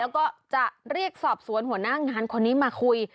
แล้วก็จะเรียกสอบสวนหัวหน้างานคนนี้มาคุย